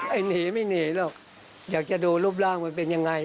ไอ้หนีไม่หนีหรอกอยากจะดูรูปร่างมันเป็นยังไง